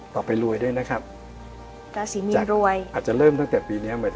ต่อไปรวยด้วยนะครับ